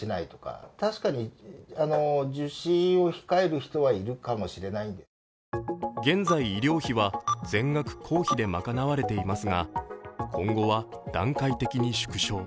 しかし更に現在、医療費は全額公費で賄われていますが、今後は段階的に縮小。